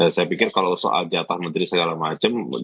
saya pikir kalau soal jatah menteri segala macam